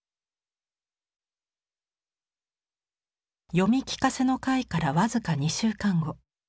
読み聞かせの会から僅か２週間後。